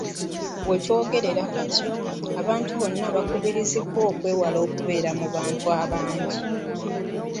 Wetwogerera kati, abantu bonna baakubirizibwa okwewala okubeera mu bantu abangi.